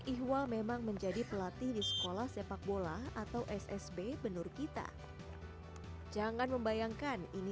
ihwal dibantu oleh dua orang asisten pelatih